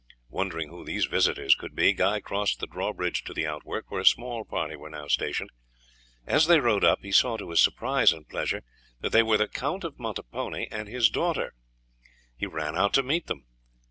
Wondering who these visitors could be, Guy crossed the drawbridge to the outwork, where a small party were now stationed. As they rode up, he saw, to his surprise and pleasure, that they were the Count of Montepone and his daughter. He ran out to meet them.